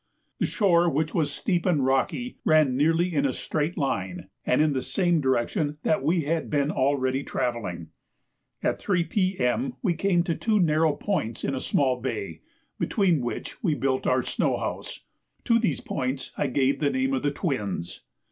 The shore, which was steep and rocky, ran nearly in a straight line, and in the same direction that we had been already travelling. At 3 P.M. we came to two narrow points in a small bay, between which we built our snow house. To these points I gave the name of "the Twins."